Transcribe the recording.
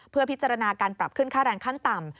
เพื่อพิจารณาการปรับขึ้นค่าแรงขั้นต่ำ